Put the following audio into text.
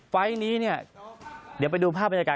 ไฟล์นี้เนี่ยเดี๋ยวไปดูภาพบรรยากาศ